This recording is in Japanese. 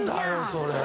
それ